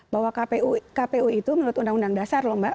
bahwa kpu itu menurut undang undang dasar loh mbak